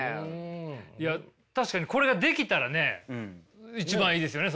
いや確かにこれができたらね一番いいですよね